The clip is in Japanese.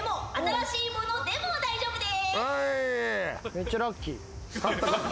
めっちゃラッキー。